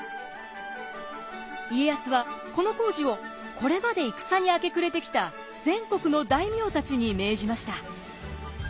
家康はこの工事をこれまで戦に明け暮れてきた全国の大名たちに命じました。